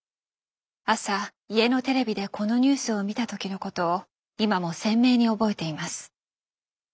朝家のテレビでこのニュースを見たときのことを今も鮮明に覚えています。